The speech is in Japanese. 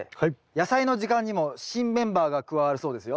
「やさいの時間」にも新メンバーが加わるそうですよ。